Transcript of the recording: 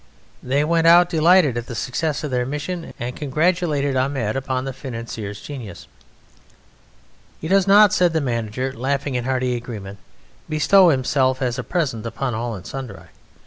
They went out, delighted at the success of their mission, and congratulated Ahmed upon the financier's genius. "He does not," said the manager, laughing in hearty agreement, "bestow himself as a present upon all and sundry.